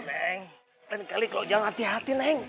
neng ternyata lo jangan hati hati neng